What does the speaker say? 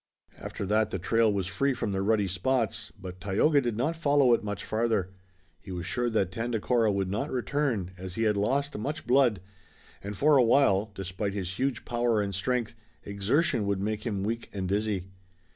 After that the trail was free from the ruddy spots, but Tayoga did not follow it much farther. He was sure that Tandakora would not return, as he had lost much blood, and for a while, despite his huge power and strength, exertion would make him weak and dizzy.